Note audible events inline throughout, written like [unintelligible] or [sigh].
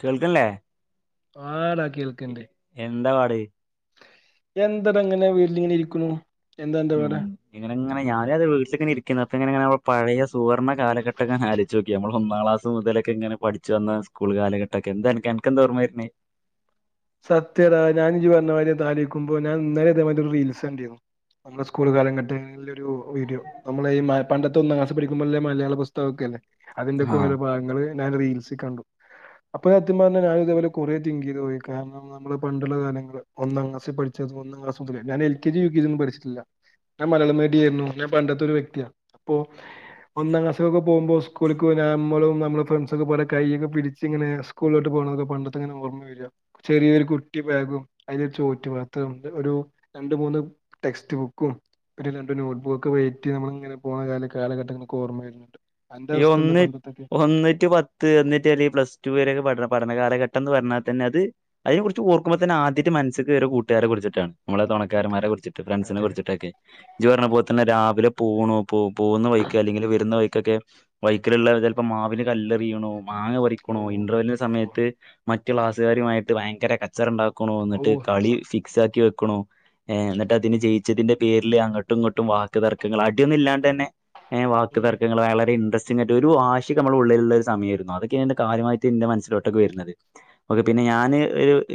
കേൾക്കനില്ലേ ആഹ എന്താ പറയുക ഇത് എന്തട ഇങ്ങനെ വീട്ടിലിങ്ങനെ ഇരിക്കുന്നു എന്താ എന്താ പറേറെ അങ്ങനെ ഞാൻ ഇങ്ങനെ വീട്ടിൽ ഇരിക്കങ്ങന ഇരിക്കുന്നു അപ്പൊ എങ്ങനെ ആ പഴയ സുവർണ്ണ കാലഘട്ടങ്ങനെ ആലോച്ചു നോക്കി നമ്മൾ ഒന്നാം ക്ലാസ് മുതലൊക്കെ ഇങ്ങനെ പഠിച്ചു വന്ന സ്കൂൾ കാലഘട്ടൊക്കെ എന്താ എനിക്ക് എനക്ക് എന്തോഓർമ്മര്ന്നേ സത്യമാട ഞാൻ ഈ വന്ന വഴി ആലോചിക്കുമ്പോൾ ഞാൻ ഇന്നലെ ഇതേമാതിരി ഒരു റീൽസ് കണ്ടിരുന്നു നമ്മുടെ സ്കൂൾ കാലഘട്ടങ്ങളിൽ - ഒരു വീഡിയോ നമ്മള് ഈ പണ്ടത്തെ ഇവിടെ ഇരിക്കുന്നു മലയാള പുസ്തകം ഒക്കെ ഇല്ലേ അതിന്റ ഒക്കെ ആഹ് ഓരോ ഭാഗങ്ങള് ഞാൻ അത് റീൽസിൽ കണ്ടു അപ്പൊ സത്യം പറഞ്ഞാ ഞാൻ ഇതേപോലെ കുറേ തിങ്ക് ചെയ്തു പോയി കാരണം നമ്മള് പണ്ട് ഉള്ള കാലങ്ങള് ഒന്നാം ക്ലാസിൽ പഠിച്ചിരുന്നു, ഞാൻ ലക്ജി യുകെജി ഒന്നും പഠിച്ചിട്ടില്ല ഞാൻ പണ്ടത്തെ ഒരു വെക്തി ആ ഒന്നാം ക്ലാസ്സിൽ ഒന്നും പോകുമ്പോൾ സ്കൂളിക്ക് നമ്മള് നമ്മള് ഫ്രണ്ട്‌സ് പോലെ കൈ ഒക്കെ പിടിച്ചു സ്കൂളിലേക്ക് പോകുന്നത് പണ്ടത്തെ ഇങ്ങനെ ഓർമ വരുവാ ചെറിയ ഒരു കുട്ടി ബാഗും ചെറിയ ചോറ്റുപാത്രയും ഒരു രണ്ടു മൂന്ന് ടെസ്റ്റ്‌ ബുക്കും രണ്ടു നോട്ട് ബുക്കും ഇട്ടു നമ്മള് ഇങ്ങനെ പോകുന്നത് ഓർമ വരുക യൊ ഒന്ന് ഒന്ന് റ്റു പത്ത് ഒന്ന് റ്റു അല്ലെ പ്ലസ് റ്റു വരേക്കെ പഠനം പഠനകാലഘട്ടംന്ന് പർഞ്ഞാതന്നെ അത് അയ്‌ന് കുർച് ഓർക്കുമ്പ തന്നെ ആദിട്ട് മൻസ്സിക്ക് വര കൂട്ടുകാരെ കുർച്ചിട്ടാണ് മ്മളെ തൊണക്കാരൻമാരെ അതെ കുർച്ചിട്ട് ഫ്രണ്ട്സിനെ അതെ അതെ കുർച്ചിട്ടൊക്കെ ഇജ് പർഞ്ഞ ഉം. പോൽ തന്നെ രാവിലെ പോണോ പോ പോന്ന വയ്ക്ക് അല്ലെങ്കില് വര്ണ വഴികൊക്കെ വയ്കല്ള്ളവ ചെൽപ്പോ മാവിന് കല്ലെറിയുണു മാങ്ങ ഓ പറിക്കുണു ഇന്റർ വെല്ലിന്റെ സമയത് മറ്റ് മറ്റ് ക്ലാസുകാരുമായിട്ട് ഭയങ്കര കച്ചറണ്ട കുണു ഓ ഓ ന്നട്ട് കളി സത്യം ഫിക്സ് ആക്കി വെക് കുണു ഏ ഉം ഇന്നട്ട് അതിന് ജയിച്ചതിന്റെ പേരില് അങ്ങട്ടും ഇങ്ങട്ടും വാക്ക് തർക്കങ്ങൾ അട്യൊന്നുല്ലാണ്ട് തന്നെ ഏ വാക്ക് ഉം തർക്കങ്ങള് അയാ ഇന്റർസിറ്റിംങ്ങായിട്ട് ഒരു വാശിക്കെ മ്മളെ ഉള്ളിലുള്ള സമയായിരുന്നു അതൊക്കെന്റെ കാര്യാമായിട്ട് ഇന്റെ മനസ്സിലോട്ടൊക്കെ വരുന്നത് പിന്നെ ഞാന്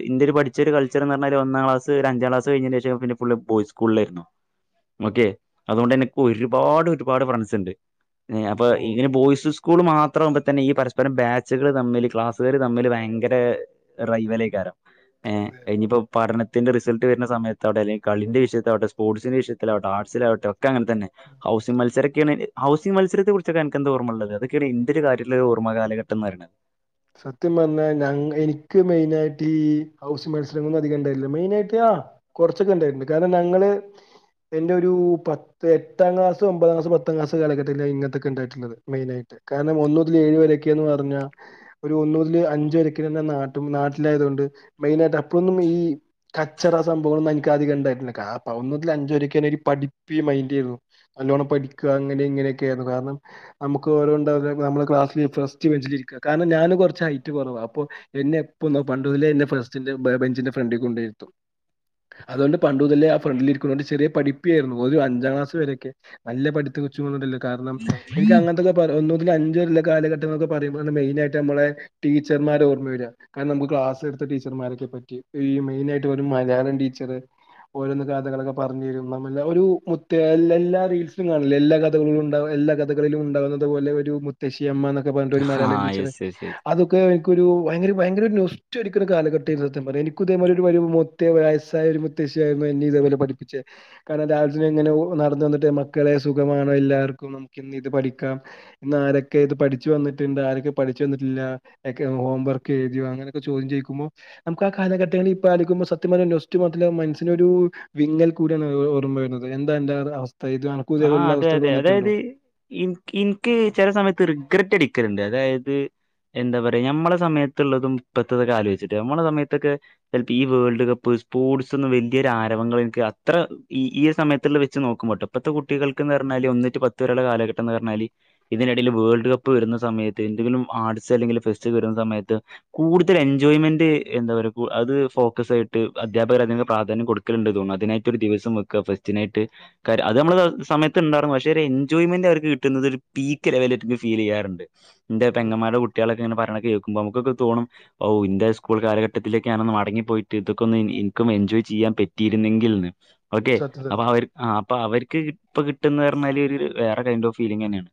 ഇന്റെ പഠിച്ചൊര്കൾച്ചറ്ന്നർഞാല് ഒന്നാം ക്ലാസ്സ് ഒരഞ്ചക്ലാസ്സ് കഴിഞ്ഞിന്റെഷം പിന്നെ ഫുള്ള് ബോയ്സ് സ്കൂളെന്നു മ്മക്കെ അതോണ്ടന്നെ ഒരുപാട് ഒരുപാട് ഫ്രണ്ട്സിണ്ട് ഏ അപ്പ ഓ ഇങ്ങനെ ബോയ്സ് സ് ക്കുള് മാത്ര ആവുമ്പതന്നെ ഈ പരസ്പരം ബാചുകൾ തമ്മിൽ ക്ലാസ് കാര് തമ്മിൽ ഭയ്ങ്കര റയ് വലയ്കരം ഏ അതെ അയ്‌ഞ്ഞിപ്പം പർ ത്തിന്റെ റിസൾട്ട് വരുന്ന സമയത്ത് അവിടെ അല്ലെ കളിന്റെ വിഷയത്തിൽ ആവട്ടെ സ്പോർട്സിൻ്റെ വിഷയത്തിൽ ആവട്ടെ ആർട്സിലാവട്ടെ ഒക്ക് ക്കെ അങ്ങനെ തന്നെ ഉം ഹൗസിങ് അതെ മത്സരക്കെയാണ് എ ഹൗസിങ് മത്സരത്തെ കുറിച്ച് അനക്ക് എന്താ ഓർമ്മ ഉള്ളത് അതൊക്കെയാണ് ഇൻ്റൊരു ഓർമയുള്ള കാലഘട്ടം എന്ന് പറയണത്. സത്യം പറഞ്ഞാ ഞങ്ങ് ഇൻക്ക് മെയ്ൻ ആയിട്ട് ഈ ഹൗസ് മത്സരങ്ങളൊന്നും അധികണ്ടായില്ല മെയിൻ ആയിട്ട് ആ കൊറച്ചൊക്കെ ഇണ്ടായിരുന്നു കാരണം ഞങ്ങള് എൻ്റെയൊരു പത്ത് ഏട്ടാ ക്ലാസ്സ് ഒമ്പതാം ക്ലാസ് പത്താം ക്ലാസ്സ് കാലഘട്ടങ്ങളിൽ മെയിനായിട്ട് കാരണം ഒന്ന് മുതൽ ഏയ് വരെന്നൊക്കെ പർഞ്ഞാ ഒരു ഒന്നു മുതല് അഞ്ച് വരെയൊക്കെന്ന് പറഞ്ഞാ നാട്ട് നാട്ടിലായൊണ്ട് മെയിനായിട്ട് അപ്പോ ഒന്നും ഈ കച്ചറ സംഭവങ്ങളൊന്നും ഇനിക്ക് അധികം ഇണ്ടായിട്ടില്ല കാ ഒന്നു മുതൽ അഞ്ച് വരെയൊക്കെ ഒരു പഠിപ്പി മൈൻഡായിരുന്നു, നല്ലോണം പഠിക്കാ അങ്ങനെ ഇങ്ങനെയൊക്കെ ആയിരുന്നു, കാരണം നമുക്ക് [unintelligible] നമ്മള് ക്ലാസ്സില് ഫസ്റ്റ് ബെഞ്ചിലിരിക്കും കാരണം ഞാന് കൊറച്ച് ഹൈറ്റ് കൊറവാ അപ്പൊ എന്നെ എപ്പോം പണ്ട് മുതലേ എന്നേ ഫാസ്റ്റിൻ്റെ ബെ ബെഞ്ചിൻ്റെ ഫ്രണ്ടില് കൊണ്ടോയി ഇരുത്തും അതോണ്ട് പണ്ട് മുതലേ ഞാൻ ഫ്രണ്ടില് ഇരിക്കുന്ന കൊണ്ട് ഞാൻ പഠിപ്പി ആയിരുന്നു ഒരു അഞ്ചാം ക്ലാസ്സ് വരെയൊക്കെ നല്ല പഠിത്ത ചൂടില് കാരണം ഇൻക്കങ്ങനത്തൊക്കെ പറ എന്തോ പിന്നെ അഞ്ചു വരെ ഇള്ള കാലഘട്ടന്നൊക്ക പറയുമ്പോ മെയ്നായിട്ട് നമ്മളെ ടീച്ചർ മാരെ ഓർമ്മ വെരാ, കാരണം ഇമ്മക്ക് ക്ലാസ്സെടുത്ത ടീച്ചർമാരെയൊക്കെ പറ്റിയും, ഈ മെയിനായിട്ട് ഒരു മലയാളം ടീച്ചറ് ഓര് വന്ന് കഥകളൊക്കെ പറഞ്ഞ് തരും, അതുവല്ല ഒരു [unintelligible] എല്ലാ റീൽസിലും കാണില്ലേ എല്ലാ കഥകളും ഇണ്ടാവും, എല്ലാ കഥകളിലും ഇണ്ടാവുന്ന ഒരു മുത്തശ്ശി അമ്മാനൊക്ക് അതുപോലന്നിട്ടൊരു ആ മലയാളം ടീച്ചറ് യെസ് യെസ് എനിക്കൊരു ഭയങ്കര ഭയങ്കര ഒരു നൊസ്റ്റു അടിക്കണ കാലഘട്ടം ആയിരുന്നു സത്യം പറഞ്ഞാ, എനിക്കിതുപോലൊരു വരവു മുത്തെ വയസ്സായ ഒരു മുത്തശ്ശിയായിരുന്നു എന്നെ ഇതേപോലെ പഠിപ്പിച്ചെ, കാരണം രാവിലത്തി ഇങ്ങനെ നടന്ന് വന്നിട്ട് മക്കളെ സുഖമാണോ എല്ലാവർക്കും നമുക്ക് ഇന്ന് ഇത് പഠിക്കാം, ഇന്ന് ആരൊക്കെ ഇത് പഠിച്ചു വന്നിട്ടുണ്ട്, ആരൊക്കെ പഠിച്ചു വന്നിട്ടില്ല യെക്കെ ഹോം വർക്ക് എഴുതിയോ? അങ്ങനൊക്കെ ചോദ്യം ചോദിക്കുമ്പോ നമുക്ക് ആ കാലഘട്ടങ്ങളിൽ ഇപ്പ ആലോചിക്കുമ്പോ സത്യം പറഞ്ഞ നൊസ്റ്റു മാത്രല്ല മനസ്സിനൊരു വിങ്ങൽ കൂടിയാണ് ഓർമ്മ വരുന്നത്, എന്താ ഇൻ്റെത് അവസ് ആ അതെ അതെ അതായത് ഇനിക്ക് ഇനിക്ക് ചില സമയത്ത് റിഗ്രെറ്റ് അടി ക്കലുണ്ട്, അതായത് എന്താ പറയാ, ഞമ്മളെ സമയത്തുള്ളതും ഇപ്പഴത്തതൊക്കെ ആലോചിച്ചിട്ട് നമ്മളെ സമയത്തൊക്കെ ചെലപ്പേ ഈ വേൾഡ് കപ്പ് സ്പോർട്സ് ഒന്നും വലിയൊരാരവങ്ങള് എനിക്ക് അത്ര ഈ ഈ സമയത്തുള്ള വെച്ച് നോക്കുമ്പട്ടോ ഇപ്പഴത്തെ കുട്ടികൾക്ക് എന്ന് പറഞ്ഞാല്, ഒന്ന്റ്റ് പത്ത് വരെയുള്ള കാലഘട്ടം എന്ന് പറഞ്ഞാല്, ഇതിനിടയിൽ വേൾഡ് കപ്പ് വരുന്ന സമയത്ത് എന്തെങ്കിലും ആർട്സ് അല്ലെങ്കിൽ ഫെസ്റ്റ് വരുന്ന സമയത്ത് കൂടുതൽ എൻജോയ്മെന്റ്, എന്താ പറയാ അത് ഫോക്കസ് ആയിട്ട് അധ്യാപകർ അല്ലെങ്കി പ്രാധാന്യം കൊടുക്കലുണ്ട് തോന്ന് അതിനായിട്ട് ഒരു ദിവസം വെക്കാ ഫെസ്റ്റിനായിട്ട് അത് നമ്മള് സമയത്ത് ഇണ്ടാർന്നു പക്ഷെ ഒരു എൻജോയ്മെന്റ് അവർക്ക് കിട്ടുന്നത് ഒരു പീക്ക് ലെവല് ആയിറ്റ് ഫീൽ ചെയ്യാറുണ്ട് ന്റെ ഉം. പെങ്ങമാരുടെ കുട്ട്യേളെക്ക് ന്ന പറയണ കേൾക്കുമ്പോ നമുക്കൊക്കെ തോണും ഓ ഇന്റെ സ്കൂൾ കാലഘട്ടത്തിലേക്ക് ഞാനൊന്ന് മടങ്ങിപ്പോയിട്ട് ഇതൊക്കെ ഒന്ന് ഇൻക്കും എൻജോയ് ചെയ്യാൻ പറ്റിയിരുന്നെങ്കിൽന്ന്. ഓക്കെ സത്യം സത്യം. അപ്പോ അവര് ആ പ്പ അവർക്ക് ഇപ്പൊ കിട്ടുന്ന് പറഞ്ഞാല് വേറെ കൈൻഡ് ഓഫ് ഫീലിംഗ്ന്നെയാണ്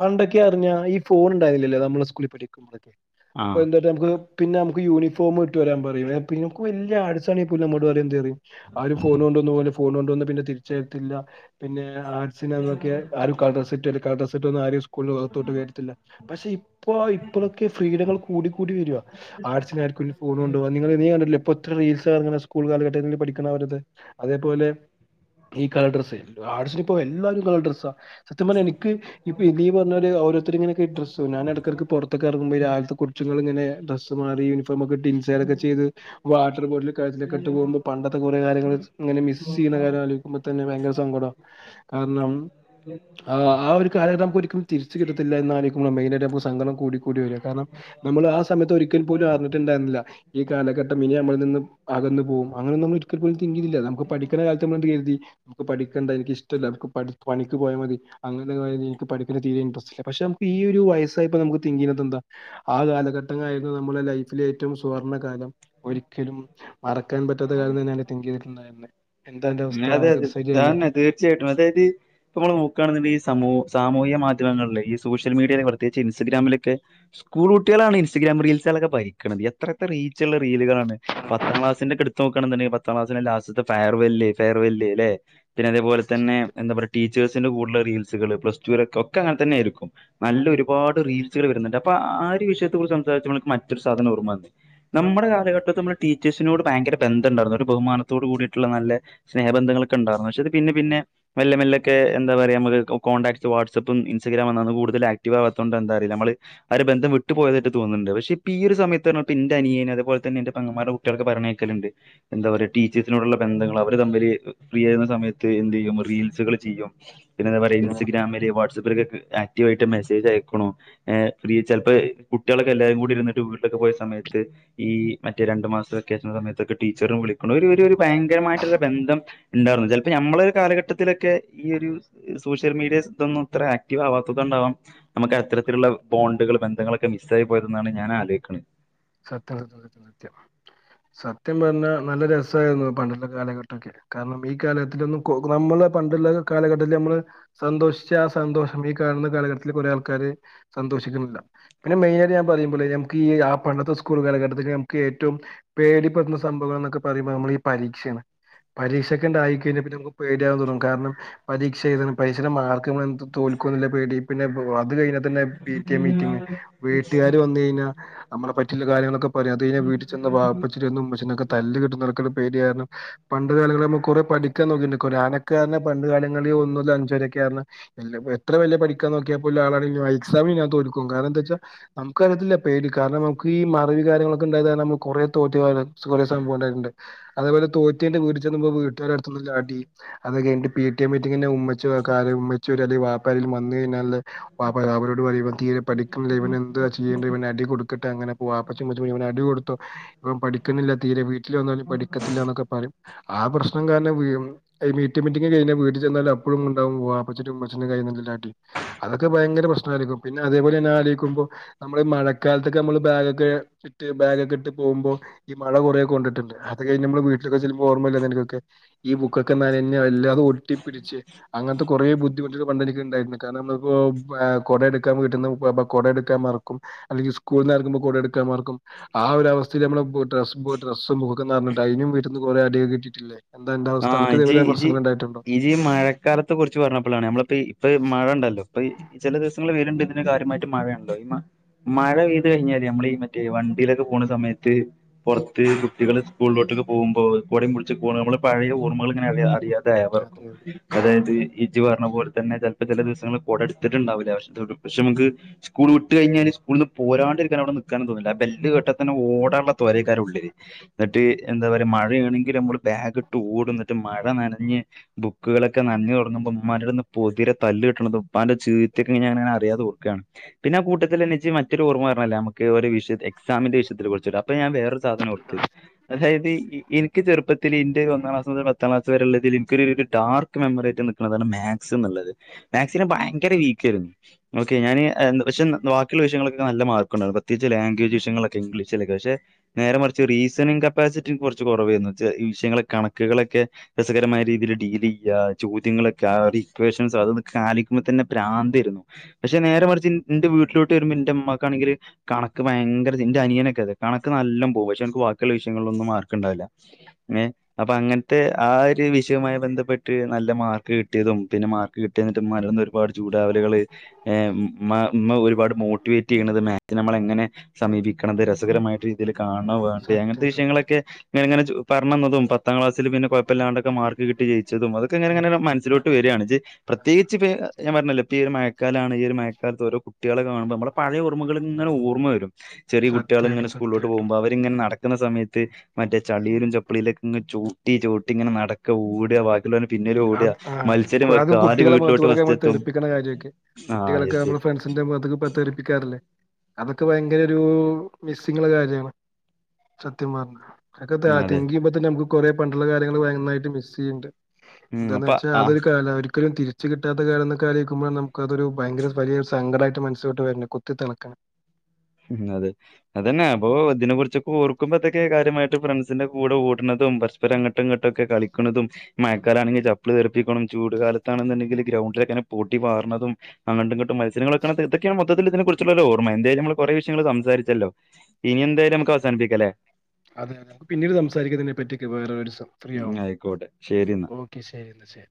പണ്ടൊക്കെ അറിഞ്ഞ ഈ ഫോൺ ഉണ്ടായിരുന്നിലല്ലേ നമ്മള് സ്കൂളിൽ പഠിക്കുമ്പോഴൊ അപ്പൊ ആ എന്തുപറ്റ നമുക്ക് പിന്നെ നമുക്ക് യൂണിഫോം ഇട്ട് വരാൻ പറയും പിന്നെ [unintelligible] ആട്സ് ആണെങ്കി പോലും നമ്മോട് എന്ത് പറയും ആരും ഫോൺ കൊണ്ടന്ന് പോവ ഫോൺ കൊണ്ടുവന്നാ പിന്നെ തിരിച്ച് തരത്തില്ല പിന്നെ ആർട്സിനന്നൊക്കെ ആരും കളർഡ്രസ്സ് ഇട്ട് [unintelligible] [unintelligible] കൂളിന് അകത്തോട്ട് കയറ്റത്തില്ല പക്ഷെ ഇപ്പോ ഇപ്പോലോക്കെ ഫ്രീഡങ്ങൾ കൂടി കൂടി വരാ ആട്‌സിന് ആർക്കു വേണെങ്കി ഫോൺ കൊണ്ടുപോവാ നിങ്ങള് നീ കണ്ടിട്ടില്ലേ ഒറ്ററീൽസ് ഇറങ്‌ണ സ്കൂൾ കാലഘട്ടത്തില് പഠിക്ണ ഒരിത് അതേപോലെ ഈ കളർ ഡ്രസ്സേ ആട്സിനിപ്പൊ എല്ലാരും കളർ ഡ്രസ്സാ സത്യം പറഞ്ഞ എനിക്ക് ഇപ്പ ഇടീ പറഞ്ഞോര് [unintelligible] ഡ്രസ്സൊ ഞാൻ ഇടക്കക്ക് പുറത്തൊക്കെ ഇറങ്ങു രാവിലത്തെ കൊച്ച്ങ്ങളിങ്ങനെ ഡ്രസ്സ് മാറി യൂണിഫോമൊക്കെയിട്ട് ഇൻസൈഡൊക്കെ ചെയ്ത് വാട്ടർ ബോട്ടില് കഴുത്തിലൊക്കെ ഇട്ട് പോകുമ്പോ പണ്ടത്തെ കുറെ കാര്യങ്ങള് ഇങ്ങനെ മിസ്സ് ചെയ്യണ കാര്യം ആലോചിക്കുമ്പോ തന്നെ ഭയങ്കര സങ്കടാ കാരണം ആ ആ ഒരു കാലഘട്ടം ഒരിക്കലും തിരിച്ച് കിട്ടത്തില്ല എന്നാലോചിക്കുമ്പഴാ മെയ്നായിട്ട് സങ്കടം കൂടി കൂ കൂടി വരാ കാരണം നമ്മള് ആ സമയത്ത് ഒരിക്കൽപോലും അറിഞ്ഞിട്ടുണ്ടായിരുന്നില്ല ഈ കാലഘട്ടം ഇനി നമ്മളിൽ നിന്ന് അകന്നു പോവും അങ്ങനെ നമ്മൾ ഒരിക്കൽ [unintelligible] [unintelligible] ല്ല നമുക്ക് പഠിക്ക്ണ കാലത്ത് നമ്മള് [unintelligible] നമുക്ക് പഠിക്കണ്ട എനിക്ക് ഇഷ്ടല്ല നമുക്ക് പണിക്ക് പോയാ മതി അങ്ങനെ എനിക്ക് പഠിക്കണ്ട തീരെ ഇൻട്രസ്റ്റ് ഇല്ല പക്ഷെ നമുക്ക് ഈ ഒരു വയസ്സായപ്പോ നമുക്ക് തിങ്ക് ചെയ്യാതത് എന്താ ആ കാലഘട്ടങ്ങളായിരുന്നു നമ്മുടെ ലൈഫില് ഏറ്റവും സുവർണ കാലം ഒരിക്കലും മറക്കാൻ പറ്റാത്ത കാര്യം തന്നെ അല്ലെ തിങ്ക് ചെയ്തിട്ടുണ്ടായിരുന്നെ എന്താ അന്റെ അവസ്ഥ? അതെ അതെ നിനക്കത് ശരിയല്ലേ? താനെ തീർച്ചയായിട്ടും അതായത് ഇപ്പൊ നമ്മള് നോക്കാണെങ്കി സമൂ സാമൂഹിക മാധ്യമങ്ങളില് ഈ സോഷ്യൽ മീഡിയയിൽ പ്രത്യേകിച്ച് ഇൻസ്റ്റഗ്രാമിലൊക്കെ സ്കൂൾ കുട്ടികളാണ് ഇൻസ്റ്റഗ്രാം റീൽസുകളൊക്കെ ഭരിക്ക്ണത് എത്ര എത്ര റീച്ച്ള്ള റീലുകളാണ് പത്താം ക്ലാസിൻ്റൊക്കെ എടുത്ത് നോക്കാണ്ന്നുണ്ടെങ്കിൽ പത്താം ക്ലാസിലെ ലാസ്റ്റത്തെ ഫെയർവെല്ല് ഫെയർവെല്ല് ല്ലേ പിന്നെ അതേപോലെ തന്നെ സത്യം. എന്താപറയാ ടീച്ചേഴ്സിന്റെ കൂടെയുള്ള റീൽ പ്ലസ് ടുല് ഒക്കെ അങ്ങനെ തെനെയായിരിക്കും നല്ല ഒരുപാട് റീൽസുകൾ വരുന്ന്ണ്ട് അപ്പൊ ആ ഒരു വിഷയത്തെ കുറിച്ച് സംസാരിച്ചപ്പോൾ എനിക്ക് മറ്റൊരു സാധനം ഓർമ്മവന്നേ നമ്മുടെ കാലഘട്ടത്ത് നമ്മള് ടീച്ചേഴ്സിനോട് ഭയങ്കര ബന്ധം ഉണ്ടായിരുന്നു ഒരു ബഹുമാനത്തോട് കൂടിയിട്ടുള്ള നല്ല സ്നേഹബന്ധങ്ങളൊക്കെണ്ടായിരുന്നു പക്ഷേ പിന്നെ പിന്നെ മെല്ലെ മെല്ലൊക്കെ എന്താ പറയാ നമ്മക്ക് കോൺടാക്റ്റ് വാട്സപ്പും ഇൻസ്റ്റഗ്രാമും വന്നന്ന് കൂടുതൽ ആക്റ്റീവ് ആവാത്തോണ്ടാ എന്താഅറീല നമ്മള് ആ ഒരു ബന്ധം വിട്ട് പോയാതായിട്ട് തോന്ന്ണ്ട് പക്ഷെ ഇപ്പ ഈ ഒരു സമയത്ത് ഇന്റെ അനിയന് അതുപോലെതന്നെ എന്റെ പെങ്ങന്മാരെ കുട്ടികളൊക്കെ പറിഞാഹ് കേക്കല്ണ്ട് എന്താ പറയാ ടീച്ചേസിനോടുള്ള ബന്ധങ്ങള് അവ [unintelligible] ഫ്രീ ആവുന്ന സമയത്ത് എന്ത്യ്യും റീൽസുകൾ ചെയ്യും പിന്നെന്താ പറയാ ഇൻസ്റ്റഗ്രാമില് വാട്സആപ്പില് ട്ട് മെസ്സേജ് അയക്കണോ ചെലപ്പോ കുട്ടിആളൊക്കെ എല്ലാരും കൂടി ഇരുന്നിട്ട് വീട്ടിലൊക്കെ പോയ സമയത്ത് ഈ മറ്റേ രണ്ടുമാസ വെക്കേഷൻ സമയത്തൊക്കെ ടീച്ചറും വിളിക്ന് ഒരു ഭയങ്കരമായിട്ട് മ ബന്ധം ഉണ്ടായിരുന്നു ചിലപ്പോ ഞമ്മളെ ഒരു കാലഘട്ടത്തിലൊക്കെ ഈ ഒരു സോഷ്യൽ മീഡിയ ഇതൊന്നും ഇത്ര ആക്റ്റീവ് ആവാത്തത് കൊണ്ടാവാം നമക്ക് അത്തരത്തിലുള്ള ബോണ്ടുകൾ ബന്ധങ്ങളൊക്കെ മിസ്സ് ആയി പോയതെന്നാണ് ഞാൻ ആലോയ്ക്ണേ സത്യം സത്യം സത്യം പറഞ്ഞാൽ നല്ല രസയിരുന്നു പണ്ടത്തെ കാലഘട്ടൊക്കെ കാരണം ഈ കാലത്തിലോന്നും നമ്മള് പണ്ടുള്ള കാലഘട്ടത്തി നമ്മള് സന്തോഷിച്ച ആ സന്തോഷം ഈ കാണുന്ന കാലഘട്ടത്തിൽ കുറെ ആൾക്കാര് സന്തോഷിക്ന്നില്ല പിന്നെ മെയിനാആയിട്ട് ഞാൻ പറിമ്പള് നമുക്കി ഈ പണ്ടത്തെ സ്കൂൾ കാലഘട്ടത്തില് നമുക്ക് ഏറ്റവും പേടി പെടുത്തുന്ന സംഭവങ്ങൾ എന്നൊക്കെ പറയ്മ്പോൾ നമ്മള് ഈ പരീക്ഷയാണ് പരീക്ഷയൊക്കെ ഉണ്ടായി കഴിഞ്ഞാൽ നമുക്ക് പേടിയാകാൻ തുടങ്ങും കാരണം പരീക്ഷ എഴുതണം പരീക്ഷയുടെ മാർക്ക് നമ്മള് തോൽകോന്ന്ല്ല പേടി പിന്നെ അത് പിന്നെ പിടി എ മീറ്റിംഗ് വീട്ടുകാർ വന്ന് കഴിഞ്ഞാ നമ്മളെ പറ്റിള്ള കാര്യങ്ങളൊക്കെ പറയും അത് കഴിഞ്ഞാൽ വീട്ടിൽ ചെന്നാൽ വാപ്പച്ചിന്റടുത്തുന്നുംഉമ്മച്ചിന്റെ അടുത്ത് നിന്നൊക്കെ തല്ല് കിട്ട പേടാരണം പണ്ട് കാലങ്ങളെമ്മ കുറെ പഠിക്കാൻ നോക്കിണ്ട് അനക്കാ എന്ന് പറഞ്ഞ പണ്ട് കാലങ്ങളിൽ ഒന്ന് അഞ്ച വരൊക്കെ ആ എത്ര വലിയ പഠിക്കാൻ നോക്കിയപ്പോ ആളാണേങ്കി പോലും എക്സാമ് കയിഞ്ഞാ തോൽക്കും കാരണം എന്താ ന്നെച്ചാ നമുക്ക്റിയത്തില്ല പേടി കാരണം നമുക്ക് ഈ മറിവി കാര്ങ്ങളൊക്ക ഉണ്ടായ നമക്ക് കുറെേ തോറ്റുക കുറേ സംഭവം ഉണ്ടായിട്ടുണ്ട് അതപോലെ തോറ്റേന്റെ വീട്ട ചെന്ന്ുമോ വീട്ടുകാര ടി അത് കിഞ്ഞട്ട പി ടി എം മീറ്റിംഗ് ഉമ്മച്ചി ഒരു അടി അത് കഴിഞ്ഞാൽ വാപ്പ പരിൽ മന്തി തിന്നാനുള്ള പ അവരോട് പറ ഇവൻ തീരെ പഠിക്ക ഇവൻ എന്താ ചെയ്യണ്ട ഇവന അടി കൊടുക്ക അങ്ങനെ പോവാപ്പ അടി കൊടുത്തു ഇവൻ പഠിക്കുന്നില്ല തീരെ വ ും പഠിക്കത്തില്ല എന്നൊക്കെ പറയും ആ പ്രശ്നം കാരണം പി ടി എ മീറ്റിങ്ങ കഴിഞ്ഞൽ വീട്ടിൽ ചെന്നാലും അപ്പഴും ഉണ്ടാവും വാപ്പച്ചിയുടെയും ഉമ്മച്ചിയുടെയും കൈയിൽ നല്ല അടി അതൊക്കെ ഭയങ്കര പ്രശ്നംമായിരിക്കും പിന്നെ അതേപോലെന്നെ ആലോചിക്കുമ്പോ നമ്മൾഈ മഴക്കാല അതൊക്കെ നമ്മള് ബാഗൊക്കെ ഇട്ട് ബാഗ ഒക്കെ ഇട്ട് പോകുമ്പോ ഈ മഴ കുറേെ കൊണ്ടിട്ടുണ്ട് അത് കഴിഞ്ഞ നമ്മൾ വീട്ടിലൊക്കെ ചെോ ഓർമ്മമല്ല എനിക്കൊക്കെ ഈ ബുക്കൊക്കെ നനഞ്ഞ അല്ല അത് ഒട്ടിപ്പിടിച്ച് അങ്ങനത്തെ കുറേ ബുദ്ധിമുട്ടുകൾ പണ്ട് എനിക്ക് ഉണ്ടായിരുന്നു കാരണം നമ്മിപ്പോ കൊടയടുക്കൻ വീടിന് കൊട എടുക്കാൻ മറക്കും അല്ലെങ്കിൽ കൂ നൽുമോൾൂ മറക്കും ആ ഒരുവസ്ഥ നമ്മ ഡ്രസുംക്ക എന്ന്ഞ്ഞട്ട അതിന വീട്ടന്ന് കുറെ അടിിക കിട്ടിട്ടില്ലേ ആഹ ഇജി ഇജി ഇഈജി മഴക്കാലത്തെ കുറിച്ച് പറഞ്ഞപ്പോഴാണ് നഞമ്മളപ്പോ ഇപ്പ മഴ ഉണ്ടല്ലോ ഇപ്പൊ ചില ദിവസങ്ങൾ വേരുണ്ട് ഇതിന്റെ കാര്യമായിട്ട് മഴയണല്ലോ ഈ മഴ പെയ്ത് കഴിഞ്ഞാല്േ നമ്മൾ ഈ മറ്റേ വണ്ടിയിലൊക്കെ പോുന്ന സമയത്ത് പുറത്ത് കുട്ടികള് സ്കൂളിലോട്ടൊക്കെ പോകുമ്പ കൊടയും പിടിച്ചു പോകുമ്പോ പഴയ ഓർക ഇങ്ങനെ അറിയ അതെ ഇതായവർക്കും അതെ അതായത് ഇജി പറഞ്ഞ പോലെ തന്നെ ചിലപ്പോ ചില ദിവസങ്ങൾ കുട എടുത്തിട്ടുണ്ടാവില്ല പക്ഷ പക്ഷെ നമുക്ക് സ്കൂൾ വിട്ട് കഴിഞ്ഞാല് സ്കൂള നിന്ന് പോരാണ്ട് ഇരിക്കാൻ അവിടെ നിക്കക്കാനും തോന്നില്ല ബെല്െട്ടാ തന്നെ ഓടാനള്ള തോരക്കാരർ ഉള്ളില് എന്നിട്ട് എന്താ പറയയാ മഴയാണെങ്കിൽ നമ്മള് ബാഗ് കൂടുന്നിട്ട് മഴ നനഞ്ഞ് ബുക്കുകളൊക്കെ നഞ്ഞ് തുടങ്ങുമ്പോ ഉമ്മാടെന്ന് പൊതിര തല്ല് കിട്ടണതും അപ്പ എന്റെ ചീവിത്തിൊക്കെ ാഞങ്ങന അറിയാത കൊർക്കുകാണ് പിന്നെ കൂട്ടൽ എെ മറ്റൊ ഓർമ്മ പറണല്ല നമക്ക് വിഷയ എക്സാമിന്റെ വിഷയത്തിൽ കുറിച്ച അപ്പൊഞാൻ വേറൊരു സാധനം കൊടുത്ത് അതായത് എനിക്ക് ചെറുപ്പത്തിൽ ഇന്റെ പന്നാം ക്ലസ് മുതൽ പത്താംക്ലാസ് വരെെയള്ള ഇതിൽനിക്കൊ ഒരു ഡാർക്ക് മെമ്മറി ആയിട്ട് നിക്കുന്നതാണ് മാക്സ് എന്നുള്ളത് മാത്‍സ് ഭയങ്കര വീക്ക് ആയിരുന്നു ഓക്കെ ഞാന് പക്ഷെ ബാക്കിയുള്ള വിഷയങ്ങളൊക്കെ നല്ലർക്കുണ്ടായിരുന്നു പ്രത്യകി ലാംഗവജ് വിഷയങ്ങളൊക്കെ ഇംഗ്ലീഷിലൊക്കെ പക്ഷെ നേരെ കുറച്ച് റീസണി കപ്പാസിറ്റി കുറച്ച് കുറവായിരുന്നു ഈ വിയങ്ങളക്കെണ കക്കുകളളൊക്കെ രസകരമായ രീതിയിൽ ഡീൽ ചെയ്യ ചോദ്യങ്ങളൊക്കെ ആക്വേഷൻസ് അതൊെ കാലിക്കുമ്പോ തന്നെ പ്രാന്തായിരുന്നു പക്ഷെ നേരെ മറിച്ച് എന്റെ വീട്ടിലോട്ട് വരുമ്പോ എന്റെ അമ്മമാക്കാണെങ്കില് കണക്ക് ഭയങ്കര എന്റെ അനിയനൊക്കെ അതെ കണക്ക് നല്ല പോകും പക്ഷെ എനിക്ക് വാക്കുള്ള വിഷയങ്ങളിലൊന്നും മാർക്കുണ്ടാവില്ല അങ്ങനെ അപ്പൊ അങ്ങനത്തെ ആ ഒരു വിഷയവുമായി ബന്ധപ്പെട്ട് നല്ല മാർക്ക് കിട്ടിയതും പിന്നെ മാർക്ക് കിട്ടിയെന്നിട്ട് മരന്ന് ഒരുപാട് ചൂടാവലുകൾ മ്മ ഒരുപാട് മോട്ടിവേറ്റ് ചെയ്യണത് മാസി നമ്മൾ എങ്ങനെ സമീപിക്കണത് രസകരമായിട്ട് രീതിയിൽ കാണ വേണ്ട് സത്യം അങ്ങനത്തെ സത്യം വിഷയങ്ങളൊക്കെ ഇങ്ങങ്ങനെ പറഞ്ഞതും പ പത്താം ക്ലാസിൽ പിന്നെ കുപ്പില്ലാണ്ടക്കെ മാർക്ക് കട്ടി ജയി ചതും അതൊെങ്ങനെ അങ്ങനെ മനസിലോട്ട് വരിയാണ് പ്രത്യേകിച്ച്പ്പ ഞാൻ പറഞ്ഞേ ഈ ഒരു മഴക്കാലാണ് ഈ ഒരു മഴക്കാലത്ത് രോ കുട്ടി കുട്ടികള കാണുമ്പോൾമ്മള് പഴ ഓർക ഇങ്ങനെ ഓർമ്മ വര ചെറിയ കുട്ടികൾ ഇങ്ങന സത്യായിട്ടും സ്കൂളിലോ് സത്യായിട്ടും പോകുമ്പോ അവരിങ്ങനെക്ക കുന്ന സമയത്ത് മറ്റേ ചളിയിലും ചപ്പളിയിലക്കെ ചൂട്ടി ചൂട്ടി ഇങ്ങനെ നടക്ക ഊടിയാക്കി അ ആ് അതും ആര് കുട്ടികളെ വീട്ടിലോട്ട് മുഖത്തടെൊക്കെ ഫസ്റ്റ് നമ്മ എത്തും തെറിപ്പിക്കണ കാര്യൊക്കെ ആഹ് കുട്ടികളൊക്കെ എത്തി നമ്മ ഫ്രണ്ട്സിന്റെ മുഖ തെറപ്പിക്കാറില്ലേ അതൊക്കെ ഭയങ്കര ഒരു മിസ്സിംഗ ഉള്ള കാര്യാണ് സത്യം പറഞ്ഞത് അക്കത്തെ ആ അതെ തതിങ്ങിയുമ്പോ തന്ന നുക്ക് കുറെ പണ്ടുള്ള കാര്യങ്ങള് ഭയമായിട്ട് മിസ് ചെയ്യണ്ട് ഉം എന്താന്ന് അപ്പൊ വച്ചാ ആഹ് അതൊരു കാലാ ഒര് ക്കലും തിരിച്ചു കിട്ടാത്ത കാലം എന്നൊക്കെ ആലോചിക്കുമ്പോ നമുക്കതൊരു ഭയങ്കര വലിയ ഒരു സങ്കടായിട്ട് മനസ്സിലോട്ട് വര്നത് കുത്തി ത ളക്ണ് ഉം അതെ അതന്നെ അപ്പോ ഇതിനെ കുറിച്ചൊക്കെ ഓർക്കുമ്പോ ഇതൊക്കെ കാര്യമായിട്ട് ഫ്രണ്ട്സിന്റെ കൂടെ ഓട്ണതും പരസ്പരം അങ്ങട്ടും ഇങ്ങട്ടൊക്കെ കളിക്ക്ണതും മഴക്കാലാണെങ്കിൽ ചപ്പ്ള് തെർപ്പിക്ക്ണും ചൂട് കാലത്താണെന്നുണ്ടെങ്കിൽ ഗ്രൗണ്ടിലൊക്കങ്ങനെ പൊടിപാറ്ണതും അങ്ങട്ടുംങ്ങട്ടും മത്സരങ്ങൾ വെക്കണത് ഇതൊക്കെയാണ് മൊത്തത്തിൽ ഇതിനെ കുറിച്ചുള്ള ഓരോർമ്മ എന്തായാലും നമ്മള് കുറെ വിഷയങ്ങള് സംസാരിച്ചല്ലോ ഇനി എന്തായാലും നമുക്ക് അവസാനിപ്പിക്ക ലേ അതെ അതെ നമുക്ക് പിന്നീട് സംസാരിക്കതിനെ പറ്റി നക്കെ വേറെ ഒര് സം ഫ്രീ ഉം ആയിക്കോട്ടെ ശരി എന്നാ ആവുമ്പം ഓക്കെ ശരി ന്നാ ശ